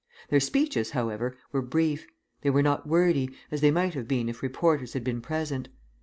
Their speeches, however, were brief; they were not wordy, as they might have been if reporters had been present.